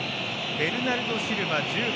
ベルナルド・シルバ、１０番。